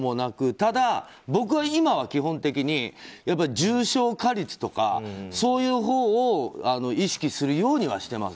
ただ、僕は今は基本的に重症化率とかそういうほうを意識するようにしています。